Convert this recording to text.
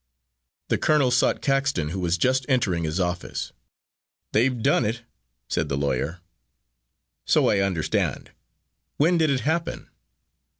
The colonel sought Caxton, who was just entering his office. "They've done it," said the lawyer. "So I understand. When did it happen?"